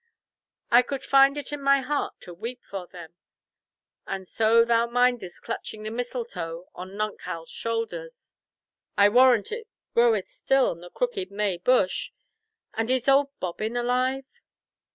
I could find it in my heart to weep for them! And so thou mindest clutching the mistletoe on nunk Hal's shoulder. I warrant it groweth still on the crooked May bush? And is old Bobbin alive?"